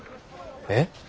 えっ？